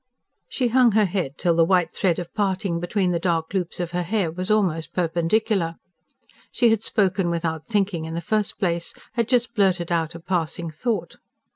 She hung her head, till the white thread of parting between the dark loops of her hair was almost perpendicular. She had spoken without thinking in the first place had just blurted out a passing thought.